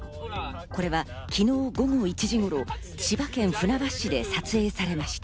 これは昨日午後１時頃、千葉県船橋市で撮影されました。